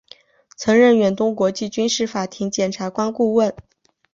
曾任远东国际军事法庭检察官顾问。